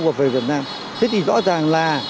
và về việt nam thế thì rõ ràng là